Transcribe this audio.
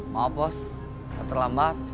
maaf bos saya terlambat